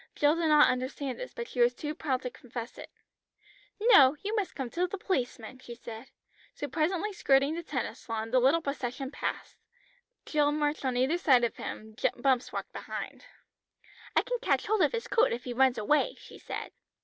Jill did not understand this, but she was too proud to confess it. "No, you must come to the policeman," she said. So presently skirting the tennis lawn the little procession passed. Jack and Jill marched on either side of him, Bumps walked behind. "I can catch hold of his coat if he runs away," she said.